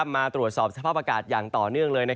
มาตรวจสอบสภาพอากาศอย่างต่อเนื่องเลย